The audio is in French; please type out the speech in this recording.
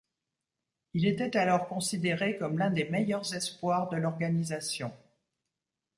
Il était alors considéré comme l'un des meilleurs espoirs de l'organisation.